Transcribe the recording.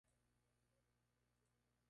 Es natural de Asia, probablemente el Himalaya.